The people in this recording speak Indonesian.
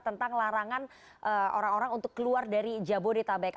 tentang larangan orang orang untuk keluar dari jabodetabek